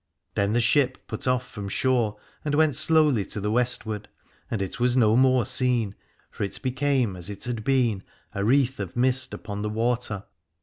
Then the ship put off from shore and went slowly to the westward; and it was no more seen, for it became as it had been a wreath of mist upon the water.